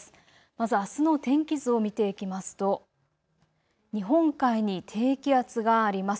まず、あすの天気図を見ていきますと日本海に低気圧があります。